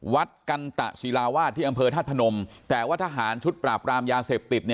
วัดกันตะศิลาวาสที่อำเภอธาตุพนมแต่ว่าทหารชุดปราบรามยาเสพติด